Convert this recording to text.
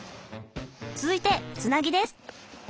続いてつなぎです。